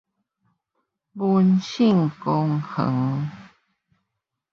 文盛公園